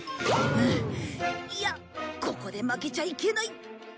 いやここで負けちゃいけない！